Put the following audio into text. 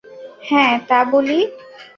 হ্যাঁ, তা বলি।